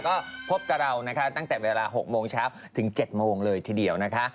ก็พบกับเรานะคะตั้งแต่เวลา๖โมงเช้าถึง๗โมงเลยทีเดียวนะคะ